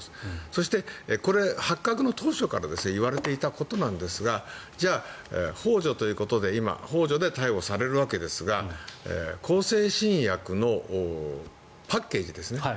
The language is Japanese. そして、発覚の当初から言われていたことなんですがじゃあ、ほう助ということで今、ほう助で逮捕されるわけですが向精神薬のパッケージですね。